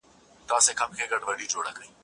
له یوې وراني څه را ووتله